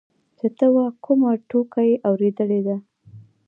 چې ته وا کومه ټوکه يې اورېدلې ده.